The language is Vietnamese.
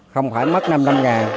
không phải mất năm năm ngàn